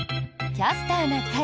「キャスターな会」。